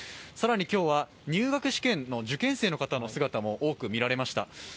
更に今日は入学試験の、受験生の姿も多く見られました。